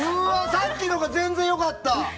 さっきのが全然良かった！